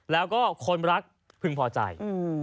แล้วก็คนรักพึงพอใจ